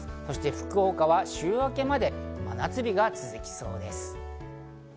福岡は週明けまで夏日が続きそうです。